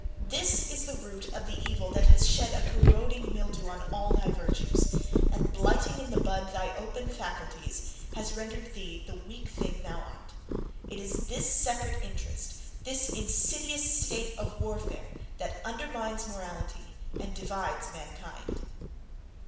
This is the root of the evil that has shed a corroding mildew on all thy virtues; and blighting in the bud thy opening faculties, has rendered thee the weak thing thou art! It is this separate interest this insidious state of warfare, that undermines morality, and divides mankind!